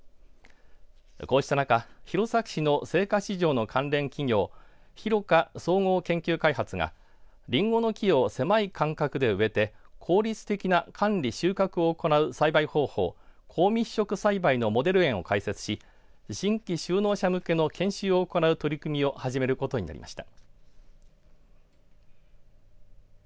こうした中、弘前市の青果市場の関連企業弘果総合研究開発がりんごの木を狭い間隔で植えて効率的な管理、収穫を行う栽培方法高密植栽培のモデル園を開設し新規就農者向けの研修を行う取り組みを始めることになりました。